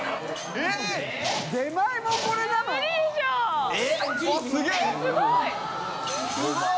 えっすごい！